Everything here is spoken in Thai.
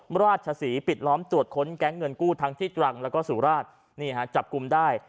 ราชศรีปิดล้อมตรวจค้นแก๊งเงินกู้ทั้งที่ตรังแล้วก็สุราชนี่ฮะจับกลุ่มได้